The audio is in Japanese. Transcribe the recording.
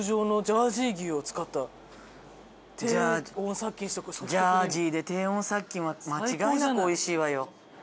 ジャージーで低温殺菌は間違いなく美味しいわよ。